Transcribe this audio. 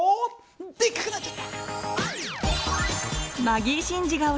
でっかくなっちゃった！